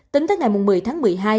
tính tới ngày một mươi tháng một mươi hai